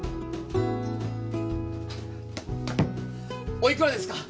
お幾らですか？